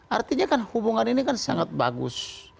artinya kan hubungan ini kan sangat bagus